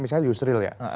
misalnya yusril ya